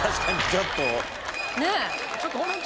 ちょっと。